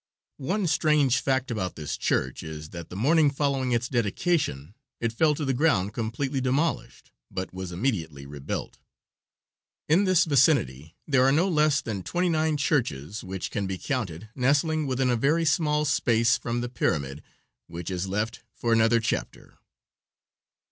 One strange fact about this church is that the morning following its dedication it fell to the ground completely demolished, but was immediately rebuilt. In this vicinity there are no less than twenty nine churches, which can be counted, nestling within a very small space, from the pyramid, which is left for another chapter.